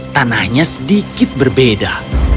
tanahnya sedikit berbeda